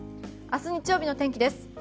明日、日曜日の天気です。